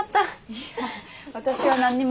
いや私は何にも。